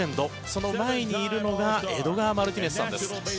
その前にいるのがエドガー・マルティネスさんです